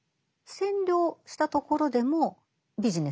占領したところでもビジネスにする。